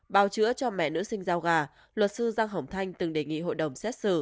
bào chữa cho mẹ nữ sinh giao gà luật sư giang hồng thanh từng đề nghị hội đồng xét xử